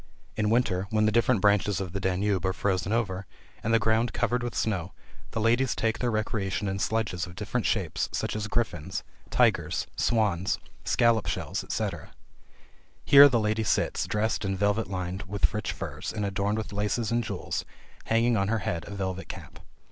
In winter, when the different branches of the Danube are frozen over, and the ground covered with snow, the ladies take their recreation in sledges of different shapes, such as griffins, tigers, swans, scallop shells, etc. Here the lady sits, dressed in velvet lined with rich furs, and adorned with laces and jewels, having on her head a velvet cap.